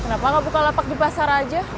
kenapa nggak bukalapak di pasar aja